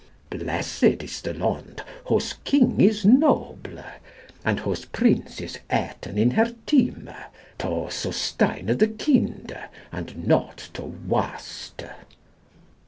Blessid is the i lond, whos kyng is noble ; and whose princis eten in her tyme, to susteyne the8 kynde, and not to wasteb.